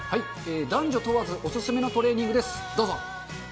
男女問わずお勧めのトレーニングです。